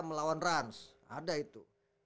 melawan rans ada itu